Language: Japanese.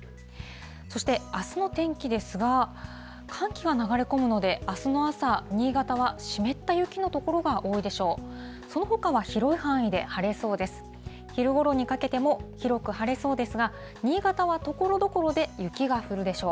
そして、あすの天気ですが、寒気が流れ込むので、あすの朝、新潟は湿った雪の所が多いでしょう。